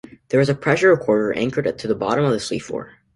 There is a pressure recorder anchored to the bottom of the sea floor.